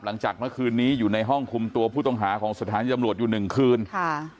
หลังจากเมื่อคืนนี้อยู่ในห้องคุมตัวผู้ต้องหาของสถานีตำรวจอยู่หนึ่งคืนค่ะ